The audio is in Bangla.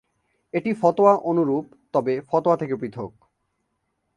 এটি ফতোয়া অনুরূপ তবে ফতোয়া থেকে পৃথক।